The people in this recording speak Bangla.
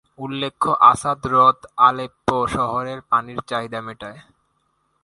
উল্লেখ্য, আসাদ হ্রদ আলেপ্পো শহরের পানির চাহিদা মেটায়।